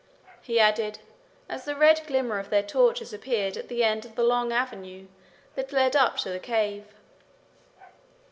he added, as the red glimmer of their torches appeared at the end of the long avenue that led up to the cave.